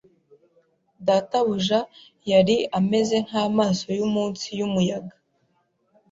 Databuja yari ameze nkamaso yumunsi yumuyaga